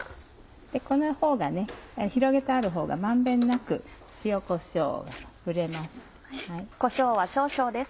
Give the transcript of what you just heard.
このほうが広げてあるほうが満遍なく塩こしょうを振れます。